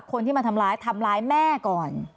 คนที่มาทำร้ายทำร้ายแม่ก่อน